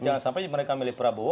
jangan sampai mereka milih prabowo